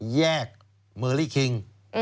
แยกเมอรี่คิง